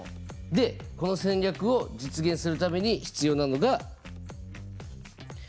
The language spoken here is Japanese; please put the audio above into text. でこの戦略を実現するために必要なのがＫＰＩ。